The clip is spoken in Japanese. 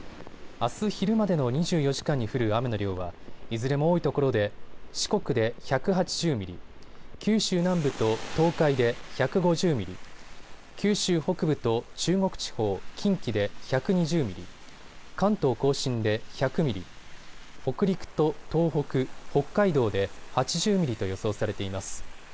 あす昼までの２４時間に降る雨の量はいずれも多いところで四国で１８０ミリ、九州南部と東海で１５０ミリ、九州北部と中国地方、近畿で１２０ミリ、関東甲信で１００ミリ、北陸と東北、北海道で８０ミリと予想されています。